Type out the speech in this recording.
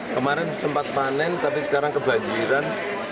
kemarin sempat panen tapi sekarang kebanjiran